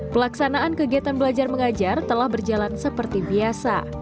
pelaksanaan kegiatan belajar mengajar telah berjalan seperti biasa